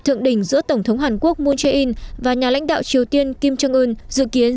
thượng đỉnh giữa tổng thống hàn quốc moon jae in và nhà lãnh đạo triều tiên kim jong un dự kiến